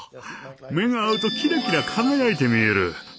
目が合うとキラキラ輝いて見える。